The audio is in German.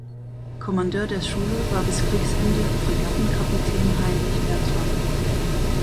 Kommandeur der Schule war bis Kriegsende Fregattenkapitän Heinrich Bertram.